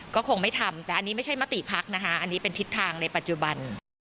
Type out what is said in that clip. ก็คงไม่ทำแต่อันนี้ไม่ใช่มติพักนะคะอันนี้เป็นทิศทางในปัจจุบัน